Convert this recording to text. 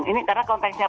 ini karena konteksnya pak